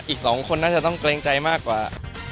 อีก๒คนน่าจะต้องเกรงใจมากกว่า